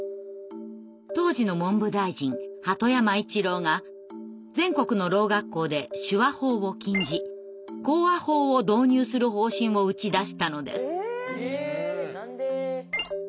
当時の文部大臣鳩山一郎が全国の聾学校で手話法を禁じ口話法を導入する方針を打ち出したのです。